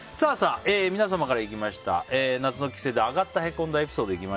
皆様からいただいた夏の帰省アガった＆へこんだエピソード。